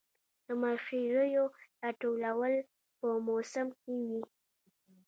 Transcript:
د مرخیړیو راټولول په موسم کې وي